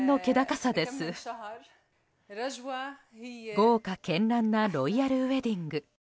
豪華絢爛なロイヤルウェディング。